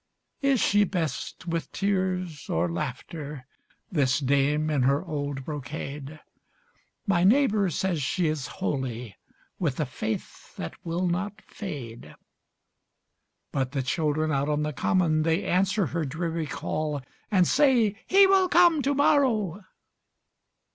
Is she best with tears or laughter, This dame in her old brocade? My neighbour says she is holy, With a faith that will not fade. But the children out on the common They answer her dreary call, And say: "He will come to morrow!"